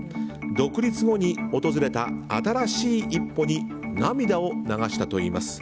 独立後に訪れた新しい一歩に涙を流したといいます。